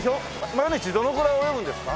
毎日どのくらい泳ぐんですか？